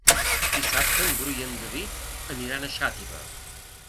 Dissabte en Bru i en David aniran a Xàtiva.